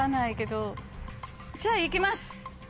じゃあ行きます！